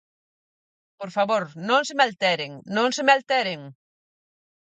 Por favor, non se me alteren, non se me alteren.